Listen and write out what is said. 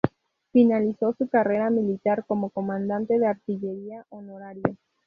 Finalizó su carrera militar como comandante de artillería honorario.